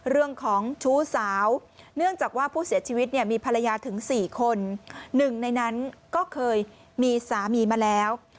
เนื่องจากว่าผู้เสียชีวิตมีภาระยาถึง๔คนหนึ่งในนั้นก็เคยมีสามีมาแล้ว